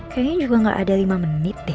kayaknya juga gak ada lima menit deh